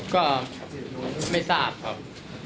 ก็ไม่ทราบครับ